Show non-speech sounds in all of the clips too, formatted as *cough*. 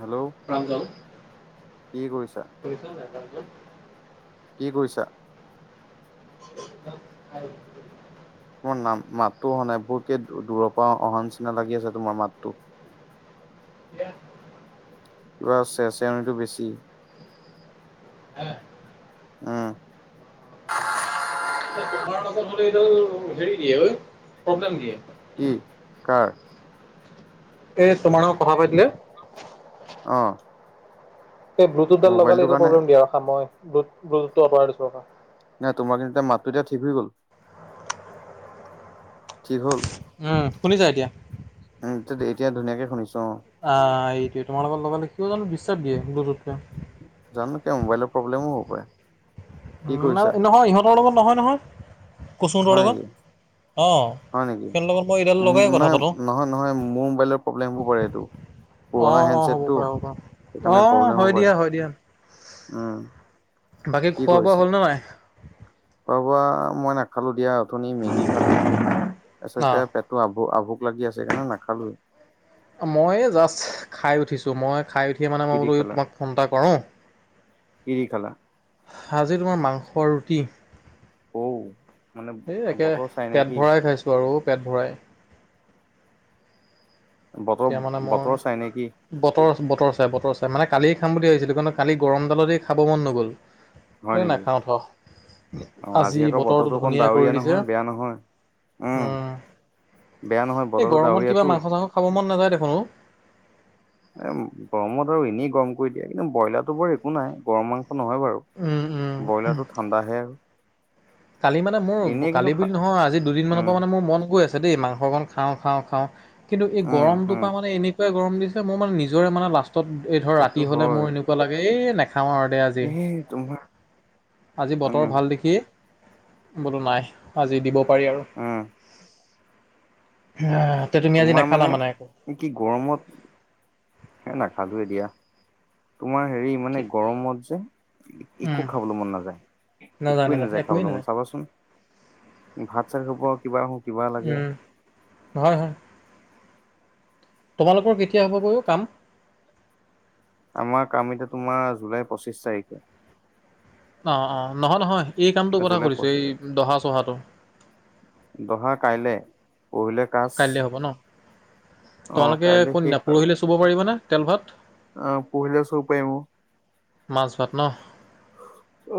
Hello, Pranjal কি কৰিছা? কৰিছা নাই কামটো- কি কৰিছা? *unintelligible* তোমাৰ নাম মাতো অহা নাই বহুকে দূৰৰ পা অহা নিচিনা লাগি আছে তোমাৰ মাতটো *unintelligible* কিবা চে চেউনীটো বেছি হে, অ, তোমাৰ লগত হলে এইডাল হেৰি দিয়ে ঐ প্ৰব্লেম দিয়ে। কি কাৰ? এ তোমাৰ লগত কথা পাতিলে অ', হে ব্লুটুথডাল লগালে মোবাইলটো এইটো কাৰণে প্ৰব্লেম দিয়ে মই ব্লুটুথদাল আতঁৰাই দিছোঁ। নাই তোমাৰ কিন্তু এতিয়া মাতটো এতিয়া ঠিক হৈ গল ঠিক হল। উম শুনিছা এতিয়া উম এতিয়া ধুনীয়াকে শুনিছো অ, অ', এইটোৱে তোমাৰ লগৰ লগে লগে কিয় জানো ডিছটাব দিয়ে ব্লুটুথে জানো কিয় মোবাইলৰ প্ৰব্লেমো হব পাৰে। কি উম কৰিছা? নহয় ইহঁতৰ লগত নহয় নহয়। হয় কচুহতৰ নেকি লগত অ', হয় নেকি হিহঁতৰ লগত মই এইডাল লগাই কথা নাই পাতোঁ। নহয় নহয় মোৰ মোবাইলত প্ৰব্লেম হ'ব পাৰে এইটো পুৰণা অ', অ' হ'ব হেণ্ডছেটটো পাৰে হ'ব পাৰে। সেইকাৰণে অ' প্ৰব্লেম হয় হব পৰে দিয়া হয় দিয়া। উম। বাকী কি খোৱা বোৱা কৰিছা? হ'ল নে নাই? খোৱা বোৱা মই নাখালো দিয়া উঠনি মেগী খালো অ'। তাৰপিছতে ত আভো আভোক লাগি আছে সেইকাৰণে নাখালোৱে। মই জাষ্ট খাই উঠিছোঁ, মই খাই উঠিয় মানে কি মই দি বোলো খালা? তোমাক ফোন এটা কৰোঁ। কি কি খালা? আজি তোমাৰ মাংস ৰুটি। অ', মানে এই একে বতৰ চাই পেট নেকি। ভৰাই খাইছোঁ আৰু পেট ভৰাই। বতৰ তেতিয়া মানে বতৰ মই চাই নে কি? বতৰ বতৰ চাই বতৰ চাই মানে কালিয় খাম বুলি ভাবছিলো কিন্তু কালি গৰমডালৰ দি খাব মন নগ'ল। হয় এই নেকি? নাখাওঁ ঠ অ আজি আকৌ বতৰটো অকণ ধুনীয়া ডাৱৰীয়া কৰি দিছে নহয় বেয়া নহয়। উম উম। বেয়া নহয় এই বতৰটো গৰমত কিবা ডাৱৰীয়াটো। মাংস চাংস খাব মন নাযায় দেখোন অ'। এ গৰমত আৰু এনেই গৰম কৰি দিয়ে কিন্তু ব্ৰইলাৰতো বৰ একো নাই গৰম মাংস নহয় বাৰু উম উম ব্ৰইলাৰটো ঠাণ্ডাহে আৰু কালি মানে মোৰ এনেই কিন্তু কালি খা বুলি নহয় আজি দুদিনমানৰ উম পৰা মানে মোৰ মন গৈ আছে। দেই মাংসকণ খাওঁ-খাওঁ -খাওঁ কিন্তু এই উম গৰমটোৰ উম পৰা মানে এনেই গৰম দিছে মই মানে নিজৰে মানে লাষ্টত এই ধৰ সেইটো ৰাতি হলে হয়। মোৰ এনেকুৱা লাগে এই নেখাওঁ আৰু দে আজি এই তোমাৰ আজি উম বতৰ ভাল দেখি বোলো নাই আজি দিব পাৰি আৰু উম এ তোমাৰ মানে কি গৰমত এ নাপালোৱেই দিয়া তোমাৰ হেৰি মানে ঠিকে গৰমত যে উম একো খাবলৈ মন নাযায়। একোৱে নাযায় খাবলৈ মন চাবাচোন ভাত চাত হ'ক বা কিবা লাগে উম, হয়- হয়। তোমালোকৰ কেতিয়া হ'ব গৈ অ', কাম? আমাৰ কাম এতিয়া তোমাৰ জুলাই পঁচিশ তাৰিখে। অ', অ', নহয় - নহয় এই কামটো কথা জুলাই সুধিছো এই পঁচিশ দহা চহাটো। দহা কাইলে, পৰহিলে কাজ কাইলৈ হ'ব ন? অ তোমালোকে কাইলে শেষ কোনদিনা আৰু পৰহিলে চুব পাৰিবানে তেল ভাত? অ পৰহিলে চব পাৰিম মাছ ভাত ন?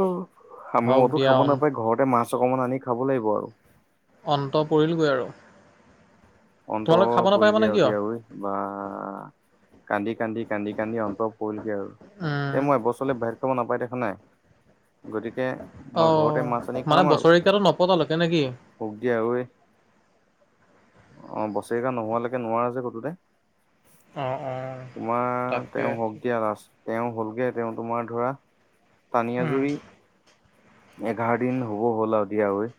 অ, আমি হওক মতো দিয়া খাব অন নাপাই ঘৰতে মাছ অকমান আনি খাব লাগিব আৰু। অন্ত পৰিলগৈ আৰু। অন্ত তোমালোকে খাব নাপায় মানে পৰিলগে আৰু কিয় দিয়া অই বা কান্দি-কান্দি-কান্দি-কান্দি অন্ত পৰিলগৈ আৰু উম এ মই এবছৰলে বাহিৰত খাব নাপাই দেখা নাই? গতিকে মই অঁ ঘৰতে মাছ আনি মানে খাম আৰু। বছৰেকীয়াটো নপতালৈকে নে কি সুখ দিয়া অই। অ, বছেৰিকিয়া নোহাৱালৈকে নোৱাৰা যে কতোতে। অঁ অঁ তোমাৰ তাকে তেওঁ হক দিয়া ৰাজ তেওঁ হ'লগে তেওঁ তোমাৰ ধৰা টানি আজুৰি এঘাৰ দিন হব হ'ল আৰু দিয়া ঐ।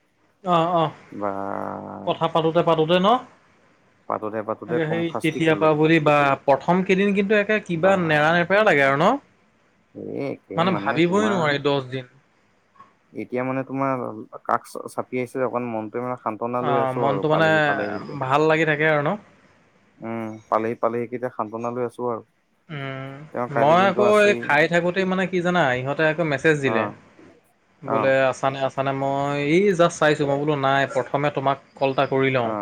অ', অ', বা পাতোতে-পাতোতে ন পাতোতে ত পাতোতে কম সেই শাস্তি তেতিয়া পা খালো বাপ *unintelligible* প্ৰথম কেইদিন কিন্তু একে বা কিবা, নেৰা নেপেৰা লাগে আৰু ন? এই একে মানে ভাবিবই তোমাৰ নোৱাৰি দস দিন। এতিয়া মানে তোমাৰ কাষ চাপি আহিছে অকণ মনটো মানে শান্ত সান্তনা লৈ অঁ আছো আৰু মনটো মানে পালেহি-পালেহিকে। ভাল লাগি থাকে আৰু ন উম, পালেহ- পালেহি কেইসান্তনা লৈ আছো আৰু। উম, তেওঁ কাইলৈ মই দিনটো আকৌ এই আছেই খাই থাকোতে মানে কি জানা ইহঁতে আকৌ মেছেজ অ দিলে। অ বোলে আছানে-আছানে মই এই জাষ্ট চাইছো মই বোলো নাই প্ৰথমে তোমাক কল এটা কৰি লও অ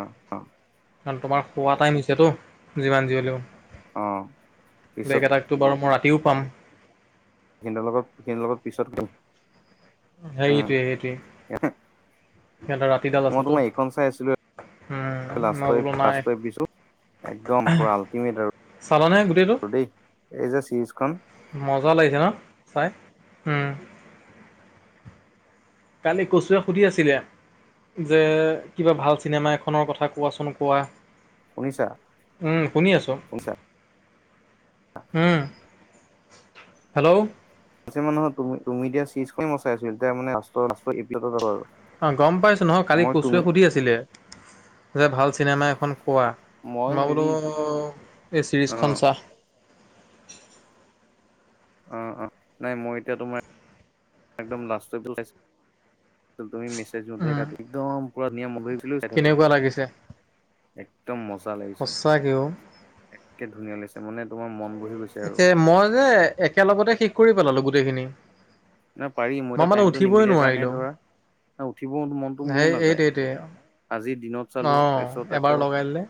কাৰণ তোমাৰ শুৱা টাইম হৈছেতো যিমান যি হ'লেও। অ', পিছত বেগ এটাকটো বাৰু মই ৰাতিও পাম। ভিনিদেও লগত-ভিনিদেও লগত পিছত কেম সেইটোৱে উম, সেইটোৱে মই তোমাৰ সিহঁতৰ ৰাতিডাল আছেতো *unintelligible* এইখন চাই আছিলো। উম, লাষ্ট মই বোলো নাই ছাবস্ক্ৰাইব লইছো একদম পৰা আল্টিমেট আৰু *unintelligible* চালানে গোটেইটো? গোটেই এই যে চিৰিজখন মজা লাগিছে ন চাই। উম, কালি কচুৱে সুধি আছিলে। যে কিবা ভাল চিনেমা এখনৰ কথা কোৱাচোন-কোৱা? শুনিছা উম, শুনি আছো। শুনিছা উম, হেল্ল', ছে মানুহ তুমিদিয়া চিজখন মই চাই আছিল তাৰ মানে লাষ্ট লাষ্ট ইপিচদ ত আৰু *unintelligible* অ, গম পাইছো নহয় কালি মই কচুৱে তুমি সুধি আছিলে, যে ভাল চিনেমা এখন কোৱা? মই বোলো, হেৰি তুমি এই অ চিৰিজখন চোৱা। অ', অ', নাই মই এতিয়া তোমাৰ একদম লাষ্টটো চাইছো তুমি মেছেজ দিওতে উম কাট একদম পুৰা ধুনীয়া মলয় গৈছিলো চাই *unintelligible* থাকো কেনেকুৱা লাগিছে একদম মজা লাগিছে। সঁচাকেও একে ধুনীয়া লৈছে মানে তোমাৰ মন বহি গৈছে। আৰু এ মই যে একেলগতে শেষ কৰি পেলালো গোটেইখিনি। ন পাৰিম মই এতিয়া মানে টাইমতটো উঠিবই নিমিলে কাৰণেহে নোৱাৰিলো ধৰা উঠিব মনটো সেই মোৰো নাযায় এইটোৱেইটোৱে আজি দিনত অ চালো তাৰপিছত এবাৰ আকৌ লগাই দিলে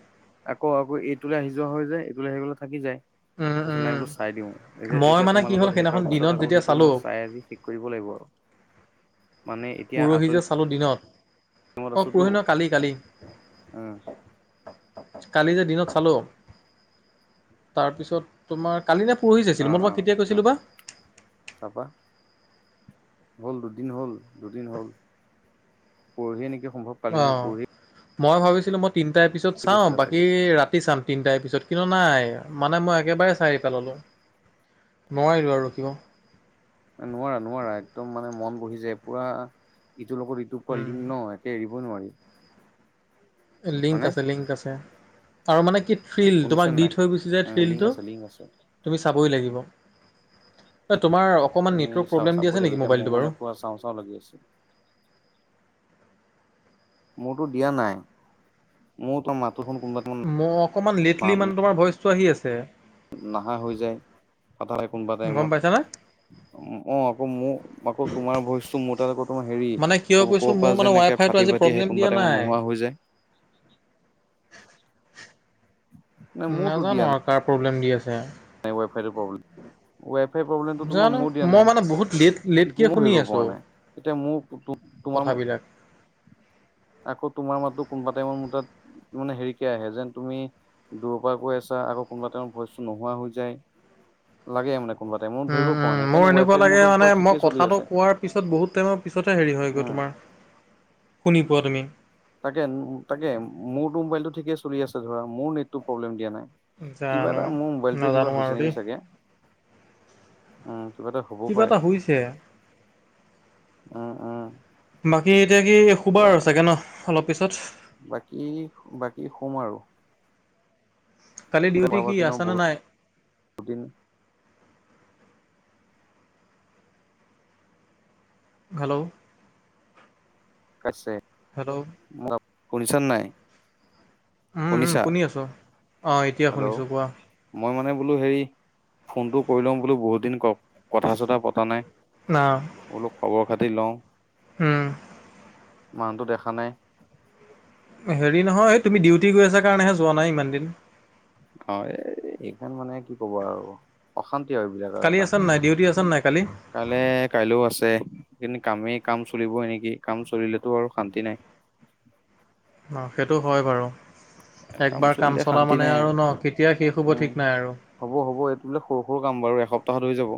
আকৌ-আকৌ এইটোলৈ আহি যোৱা হৈ যায় এইটোলৈ আহি গলে থাকি যায়। উম তাৰপিছত উম নাই বোলো চাই দিও এ মই এতিয়া মানে কি তোমাৰ হ'ল লগত হেৰি সেইদিনাখন কৰাৰ দিনত পিছত আকৌ যেতিয়া সেইটো চালো মই চাই আজি ঠিক কৰিব লাগিব। মানে এতিয়া পৰহি যে আঁতৰি চালো দিনত মত অ, আছোতো পৰহি ন কালি-কালি। উম কালি যে দিনত চালো তাৰপিছত তোমাৰ কালি যে পৰহিযে অ ছিনিমা অ চাব কেতিয়া কৈছিলো বা। তাৰপা হ'ল দুদিন-হ'ল দুদিন হ'ল পাহিয়ে নেকি সম্ভৱ? পালি অ, নহয় পৰহিয়ে মই ভাবিছিলো মই তিনিটাৰ এপিছোদ চাও কৈছিলা বাকী চাগে ৰাতি চাম তিনিটা এপিছোদ। কিন্তু নাই মানে মই একেবাৰে চাই পেললো নোৱাৰিলো আৰু ৰখিব নোৱাৰা নোৱাৰা একদম মানে মন বহি যায় পুৰা ইটোৰ লগত ইটোৰ পৰা লিংগ ন এৰিব নোৱাৰি লিংক মানে আছে লিংক আছে আৰু মানে কি থ্ৰিল তোমাক দি থৈ গুচি যায় থ্ৰিলটো ঠিক আছে তুমি চাবই লাগিব ন তোমাৰ অকণমান তুমি নেটৱৰ্ক প্ৰব্লেম দি আছে নেকি মোবাইলটো বাৰু চাও চাও লাগি আছে মোৰতো দিয়া নাই মোৰ ত মাতোখন কোনোবা মো অকণমান লেটলি টাইমত মানে তোমাৰ ভইচটো আহি আছে নাহা হৈ যায় হঠাতে কোনোবা গম টাইমত পাইছানে অ আকৌ মোৰ আকৌ তোমাৰ ভইচটো মোৰ আকৌ তোমাৰ হেৰি মানে কিয় কৰ কৈছোঁ কৰ মোৰ পৰা মানে ৱাই যেনেকে ফাইটো ফাটি আজি ফাটি আহি প্ৰব্লেম দিয়া কোনোবা টাইমত নাই নোহোৱা হৈ যায় নাই মোৰতো দিয়া নাজানো আৰু কাৰ প্ৰব্লেম দি আছে নাই ৱাই ফাইটো প্ৰব্লেম ৱাই ফাইৰ প্ৰব্লেমটো তোমাৰ জানো মোৰ দিয়া মই নাই মানে বহুত লেট লেটকৈ মোৰ শুনি ধৰিব পৰা আছোঁ নাই এতিয়া মোৰ তোমাৰ কথাবিলাক *unintelligible* আকৌ তোমাৰ মাততো কোনোবা টাইমত মোৰ তাত মানে হেৰিকে আহে যেন তুমি দূৰৰ পৰা কৈ আছা আকৌ কোনোবা তেওঁৰ ভইচটো নোহোৱা হৈ যা য় লাগেই মানে কোনোবা টাইমত মই ধৰিব উম পৰা উম নাই মোৰ কিন্তু ৱাই এনেকোৱা ফাই লাগে মোৰতো মানে পুৰা মই ঠিকেই চলি কথাটো আছে কোৱাৰ পিছত বহুত টাইমৰ পিছতহে হেৰি হয় গৈ উম। তোমাৰ শুনি পোৱা তুমি তাকে তাকে মোৰতো মোবাইলটো ঠিকে চলি আছে ধৰা মোৰ নেটটো প্ৰব্লেম দিয়া নাই কিবা জানো এটা মোৰ মোবাইলটোৱে কিবা নাজানো আৰু হৈছে দেই নেকি চাগে উম কিবা এটা হবও কিবা পাৰে এটা হৈছে উম উম বাকী এতিয়া কি শুবা আৰু চাগে ন অলপ পিছত বাকী বাকী শুম আৰু কালি কেইটা ডিউটি পঢ়াব কি আছে ন আছানে বহুত নাই বহুদিন হেল্ল' আছে হেল্ল' মই শুনিছনে নাই? উম উম শুনিছা শুনি আছোঁ অঁ এতিয়া হেল্ল' শুনিছোঁ কোৱা মই মানে বোলো হেৰি ফোনটো কৰি লও বোলো বহুত দিন ক কথা চথা পতা নাই। না বোলো খবৰ খাতি লও। উম মানুহটো দেখা নাই। হেৰি নহয় এই তুমি ডিউটি গৈ আছা কাৰণেহে যোৱা নাই ইমান দিন। অ এ এইখন মানে কি কবা আৰু অশান্তি আৰু এইবিলাকত কালি আছে নাই ডিউটি আছে নাই কালি? কাইলে কাইলৈও আছে কিন্তু কামেই কাম চলিবই নেকি কাম চলিলেতটো আৰু শান্তি নাই। অ সেইটো হয় বাৰু। একবাৰ কাম চলিলে চলা শান্তি মানে নাই আৰু ন কেতিয়া শেষ হ'ব উম ঠিক নাই আৰু। হ'ব হ'ব এইটো বোলে সৰু সৰু কাম বাৰু এসপ্তাহত হৈ যাব।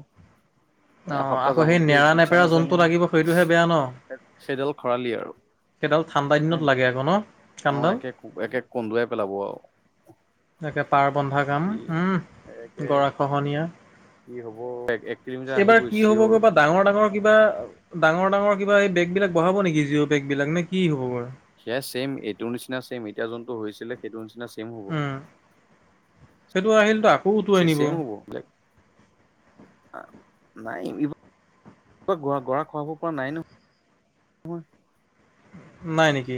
এ অ এসপ্তাহ আকৌ সেই যাবলৈকে নেৰা নেপেৰা যোনটো লাগিব সেইটোহে বেয়া ন? সেই সেইডাল খৰালি আৰু। সেইডাল ঠাণ্ডা দিনত লাগে আকৌ ন? অ কামডাল একে একে কন্দুৱাই পেলাব আৰু। তাকে পাৰ বন্ধা কাম, কি একে উম গৰা খহনীয়া। কি হ'ব এক এক কিলোমিটাৰ এইবাৰ কি আহিবই চিয়ৰ। হ'বগৈ বা ডাঙৰ ডাঙৰ কিবা ডাঙৰ ডাঙৰ কিবা এই বেগবিলাক বঢ়াব নেকি জিঅ' বেগ বিলাক, নে কি হ'ব বাৰু? সেয়া চেম এইটো নিচিনা ছেম এতিয়া যোনটো হৈছিলে সেইটো নিচিনা ছেম হ'ব। উম, সেইটো আহিল তাক ছে-ছেম হ'ব পাৰে। নাই এই ক'ত গৰা গৰা খহাব পৰা নাই ন। মই নাই নেকি?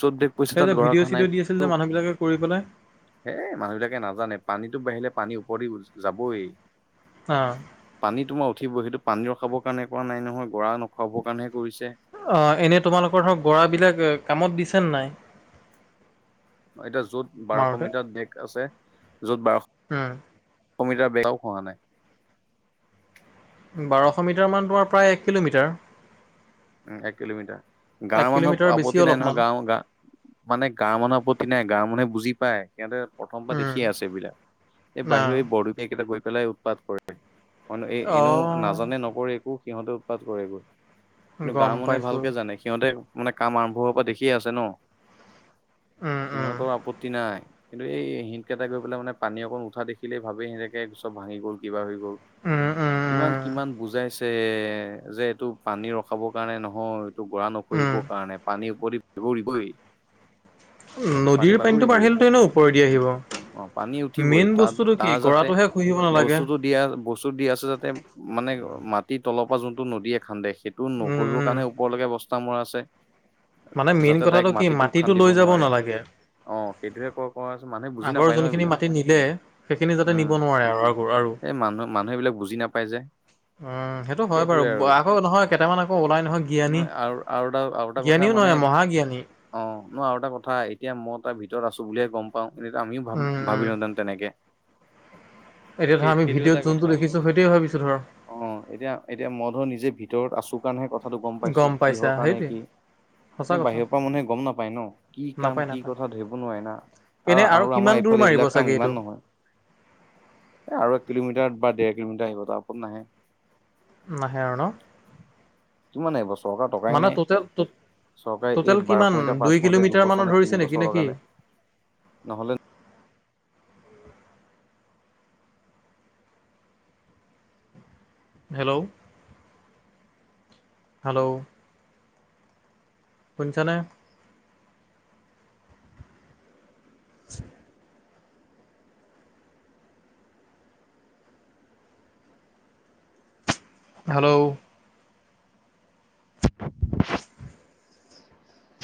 য'ত বেগ পৰিছে তাত তাৰপিছত গৰা ভিডিঅ' খোৱা চিডিঅ' দি আছিল যে মানুহবিলাকে কৰি পেলাই? এ মানুহবিলাকে নাজানে। পানীটো বাঢ়িলে পানী ওপৰেদি যাবই। অ। পানী তোমাৰ উঠিবই। সেইটো পানী ৰখাবৰ কাৰণে কৰা নাই নহয়, গৰা নখহাবৰ কাৰণেহে কৰিছে। অ এনে তোমালোকৰ ধৰক গৰাবিলাক কামত দিছে নে নাই? অ এতিয়া যত বাৰশ মাৰোতে? মিটাৰ দেশ আছে য'ত বাৰশ উম, এশ মিটাৰ বে *unintelligible* খহা নাই। বাৰশ মিটাৰ মান তোমাৰ প্ৰায় এক কিলোমিটাৰ। উ এক কিলোমিটাৰ। এক গাঁৱৰ কিলোমিটাৰ মানুহৰ বেছি আপত্তি নাই অলপমান নহয়। গাঁৱৰ গা মানে গাঁৱৰ মানুহৰ আপত্তি নাই। গাঁৱৰ মানুহে বুজি পায়। সিহঁতে প্ৰথম পা উম দেখিয়ে আছে এইবিলাক। এই না বাহিৰৰ এই বৰদপীয়াকেইটা গৈ পেলাই উৎপাত কৰে। এই অ এনেও নাজানে নকৰে একো সিহঁতে উৎপাত কৰে গৈ। কিন্তু গম গাঁৱৰ মানুহে পাইছোঁ ভালকে জানে। সিহঁতে মানে কাম আৰম্ভ হোৱাৰ পৰা দেখিয়ে আছে ন। উম উম সিহঁতৰ আপত্তি নাই। কিন্তু এই হিনকেইটা গৈ পেলাই মানে পানী অকণ উঠা দেখিলেই ভাবে সেনেকে চব ভাঙি গ'ল, কিবা হৈ গ উম উম কিমান উম কিমান বুজাইছে যে এইটো পানী ৰ ৰখাব কাৰণে নহয় এইটো গৰা নখহিবৰ কাৰণে। পানীৰ ওপৰেদি বাগৰিবই। পানী নদীৰ পানীটো বাগৰিবই বাঢ়িলেটো এনেও ওপৰেদি আহিব। অ পানী উঠিবই মেইন তাত বস্তুটো তাৰ কি যাতে গৰাটোহে খহিব নালাগে। *unintelligible* বস্তু দি আছে যাতে মানে মাটিৰ তলৰ পা যোনটো নদীয়ে খান্দে সেইটো উম *unintelligible* উম মানে ওপৰলৈকে বস্তা মৰা আছে। মানে মেইন যাতে কথাটো ডাইৰেক্ট কি মাটিটো খান্দিব লৈ যাব নোৱাৰে নালাগে। অ সেইটোহে ক কৰা আছে মানুহে বুজি আগৰ নাপায় ন যোনখিনি এইবিলাক মাটি নিলে সেইখিনি যাতে নিব নোৱাৰে আৰু আগৰ আৰু। এ মানুহ মানুহে এইবিলাক বুজি নাপাই যে। উম সেইটো হয় বাৰু, সেইটোৱে আৰু আকৌ নহয় কেটামান আকৌ ওলাই নহয় জ্ঞানী নহয় আৰু আৰু এটা আৰু এটা কথা জ্ঞানীও মানে নহয় মহাজ্ঞানী অ ন আৰু এটা কথা এতিয়া মই তাৰ ভিতৰত আছো বুলিয়ে গম পাওঁ এনেটো আমিও ভাব উম উম ভাবিলোহেঁতেন তেনেকে। এতিয়া ধৰা সেই আমি সেইটো ভিডিঅ'ত এটা কথা যোনটো দেখিছোঁ সেইটো ভাবিছোঁ ধৰা। অ', এতিয়া-এতিয়া মই ধৰ নিজে ভিতৰত আছোঁ কাৰণেহে কথাটো গম পাইছোঁ, পাইছা কিহৰ কাৰণে সেইটোৱে কি? সঁচা কথা বাহিৰৰ পৰা মানুহে গম নাপায় ন, কি কাম কি কথা ধৰিব নোৱাৰি না? পিনে আৰু আমাৰ কিমান দূৰ এইফালে মাৰিব এইবিলাক কাম চাগে ইমান এইটো? নহয় আৰু এক কিলোমিটাৰ বা ডেৰ কিলোমিটাৰ আহিব, তাৰ ওপৰত নাহে। নাহে আৰু ন? কিমান আহিব চৰকাৰ টকাই মানে নাই। টোটেল চৰকাৰে টোটেল এই বাৰশ কিমান মিটাৰ দুই পাচ কৰোতে কিলোমিটাৰ মানৰ দুবছৰ নে ধৰিছে তিন নেকি বছৰ নে কি লগালে, নহলে হেল্ল'? হেল্ল'? শুনিছানে? *inaudible* হেল্ল'?